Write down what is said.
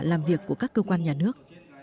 làm việc của các cơ quan nhà nước